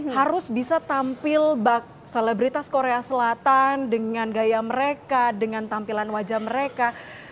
harus bisa tampil bak selebritas korea selatan dengan gaya mereka dengan tampilan wajah mereka